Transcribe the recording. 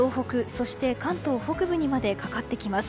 そして関東北部にまでかかってきます。